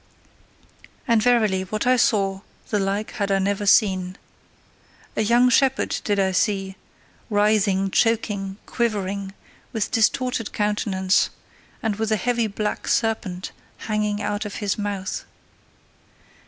And verily, what I saw, the like had I never seen. A young shepherd did I see, writhing, choking, quivering, with distorted countenance, and with a heavy black serpent hanging out of his mouth.